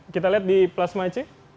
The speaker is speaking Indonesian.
kita lihat di plasma c